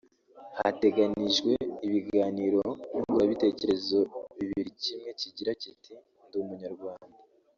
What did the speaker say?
Hateganyijwemo ibiganiro nyunguranabitekerezo bibiri kimwe kigira kiti “Ndi Umunyarwanda